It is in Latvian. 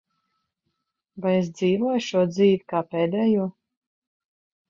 Vai es dzīvoju šo dzīvi kā pēdējo?